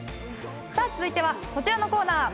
続いてはこちらのコーナー。